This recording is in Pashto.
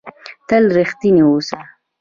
تل رښتنی اوسهٔ.